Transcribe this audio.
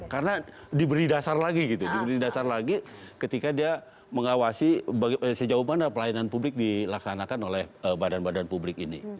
karena diberi dasar lagi ketika dia mengawasi sejauh mana pelayanan publik dilakukan oleh badan badan publik ini